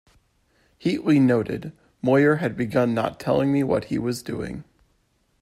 Heatley noted: Moyer had begun not telling me what he was doing.